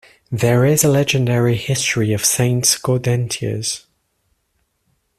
There is a legendary history of Saint Gaudentius.